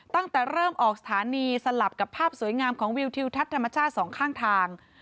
ตั้งแต่เริ่มออกสถานีสลับกับภาพสวยงามของวิวทิวทัศน์ธรรมชาติสองข้างทาง